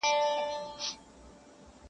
o ټول مي په یوه یوه هینده پر سر را واړول,